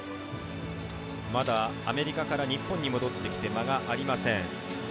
まだ、アメリカから日本に戻ってきて間がありません。